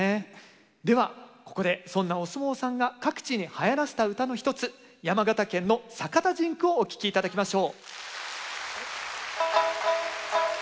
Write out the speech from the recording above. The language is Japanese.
ではここでそんなお相撲さんが各地にはやらせた唄の一つ山形県の「酒田甚句」をお聴き頂きましょう。